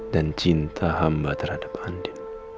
cinta hamba terhadap andi